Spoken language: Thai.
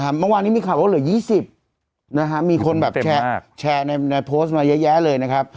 เมื่อวานนี้มีข่าวว่าเหลือ๒๐มีคนแบบแชร์ในโพสต์มาเยอะแยะเลยนะครับ